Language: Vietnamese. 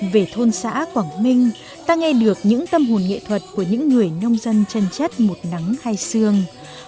về thôn xã quảng minh ta nghe được những tâm hồn nghệ thuật của những người nông dân chân chất một nắng hai xương